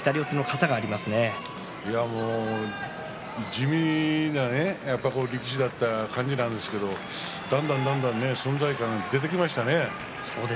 地味な力士だった感じなんですけどだんだんだんだん存在感が出てきましたね。